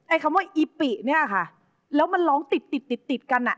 คำว่าอีปิเนี่ยค่ะแล้วมันร้องติดติดติดติดกันอ่ะ